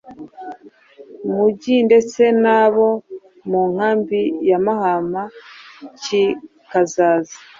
mujyi ndetse n’abo mu nkambi ya Mahama kikazaza